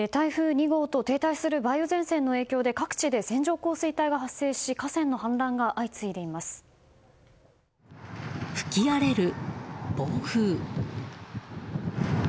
台風２号と停滞する梅雨前線の影響で各地で線上降水帯が発生し吹き荒れる暴風。